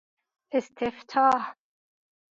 استفتاح